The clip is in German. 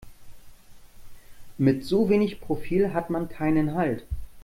Mit so wenig Profil hat man keinen Halt.